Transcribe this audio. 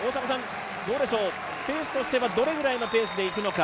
ペースとしてはどれぐらいのペースでいくのか。